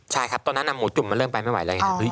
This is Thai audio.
ใช่ครับตอนนั้นหมูจุ่มมันเริ่มไปไม่ไหวแล้วไง